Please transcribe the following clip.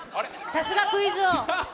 さすがクイズ王。